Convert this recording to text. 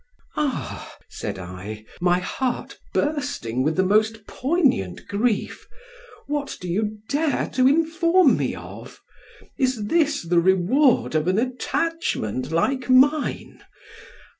"Ah!" said I, my heart bursting with the most poignant grief, "what do you dare to inform me of? Is this the reward of an attachment like mine?